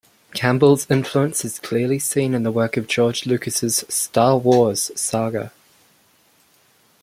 Campbell's influence is clearly seen in the work of George Lucas's "Star Wars" saga.